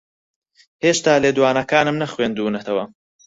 ھێشتا لێدوانەکانم نەخوێندوونەتەوە.